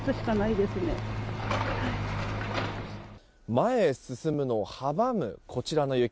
前に進むのを阻むこちらの雪。